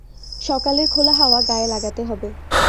সকালের খোলা হাওয়া গায়ে লাগাতে হবে।